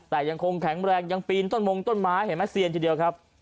แต่ยังคงแข็งแรงยังปีนต้นมงต้นไม้เห็นไหมเซียนทีเดียวครับ